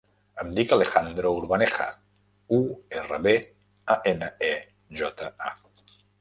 Em dic Alejandro Urbaneja: u, erra, be, a, ena, e, jota, a.